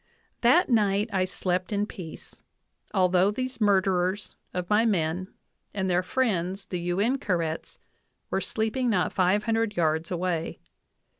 "That night I slept in peace, although these murderers of my men, and their friends, the U in ka rets, were sleeping not five hundred yards away.